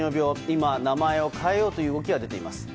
今、名前を変えようという動きが出ています。